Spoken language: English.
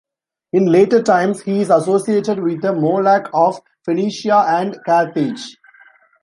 In later times, he is associated with the Moloch of Phoenicia and Carthage.